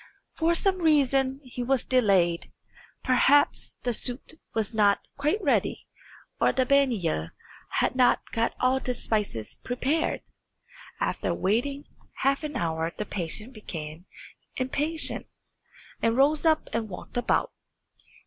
For some reason he was delayed; perhaps the tsut was not quite ready, or the baniya had not got all the spices prepared. After waiting half an hour the prince became impatient, and rose up and walked about.